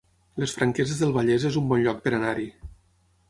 Les Franqueses del Vallès es un bon lloc per anar-hi